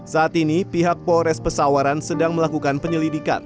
saat ini pihak polres pesawaran sedang melakukan penyelidikan